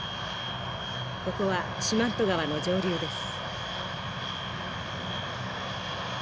ここは四万十川の上流です。